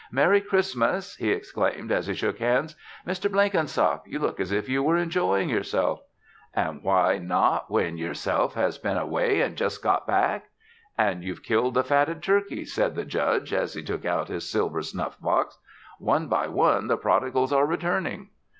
"Merry Christmas!" he exclaimed as he shook hands. "Mr. Blenkinsop, you look as if you were enjoying yourself." "An' why not when yer Self has been away an' just got back?" "And you've killed the fatted turkey," said the Judge, as he took out his silver snuff box. "One by one, the prodigals are returning."